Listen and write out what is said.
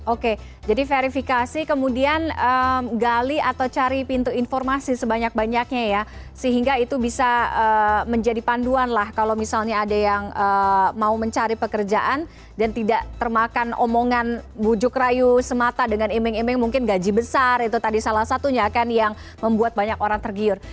oke jadi verifikasi kemudian gali atau cari pintu informasi sebanyak banyaknya ya sehingga itu bisa menjadi panduan lah kalau misalnya ada yang mau mencari pekerjaan dan tidak termakan omongan bujuk rayu semata dengan emeng emeng mungkin gaji besar itu tadi salah satunya kan yang membuat banyak orang tergiur